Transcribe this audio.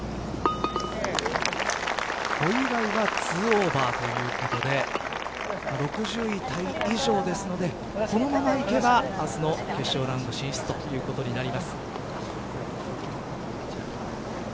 小祝は２オーバーということで６０位タイ以上ですのでこのままいけば明日の決勝ラウンド進出ということになります。